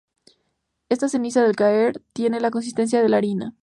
Esta ceniza al caer tiene la consistencia de la harina.